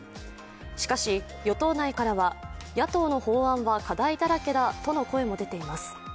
しかし、与党内からは野党の法案は課題だらけだとの声も出ています。